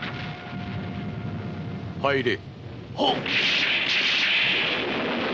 入れ。